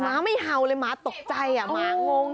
หมาไม่เห่าเลยหมาตกใจหมางง